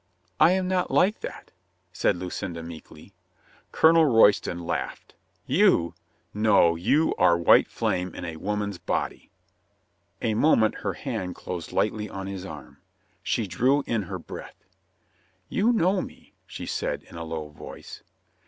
"I am not like that," said Lucinda meekly. Colonel Royston laughed. "You ! No, you are white flame in a woman's body." A moment her hand closed lightly on his arm. She drew in her breath. "You know me," she said in a low voice.